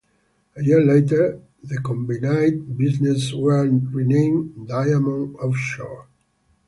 A year later, the combined businesses were renamed Diamond Offshore.